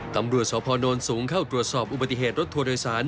ตำรวจสพนสูงเข้าตรวจสอบอุบัติเหตุรถทัวร์โดยสาร